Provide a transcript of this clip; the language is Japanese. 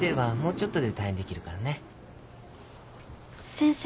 先生。